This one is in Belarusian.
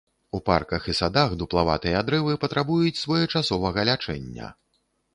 У парках і садах дуплаватыя дрэвы патрабуюць своечасовага лячэння.